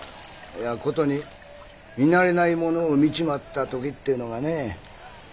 殊に見なれないものを見ちまった時ってのがね。